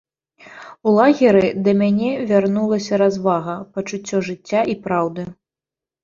У лагеры да мяне вярнулася развага, пачуццё жыцця і праўды.